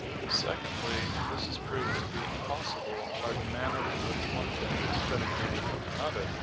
Secondly, this is proved to be impossible by the manner in which one thing is predicated of another.